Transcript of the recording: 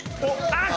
あっ！